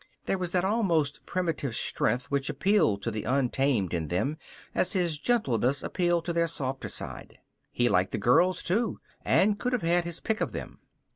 There was that almost primitive strength which appealed to the untamed in them as his gentleness appealed to their softer side. He liked the girls, too, and could have had his pick of them.